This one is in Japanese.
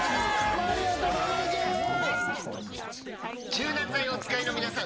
柔軟剤をお使いのみなさん！